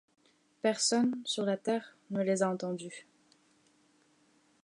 Personne sur la terre ne les a entendues.